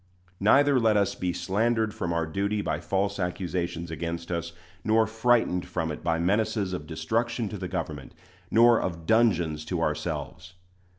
Neither let us be slandered from our duty by false accusations against us, nor frightened from it by menaces of destruction to the government, nor of dungeons to ourselves.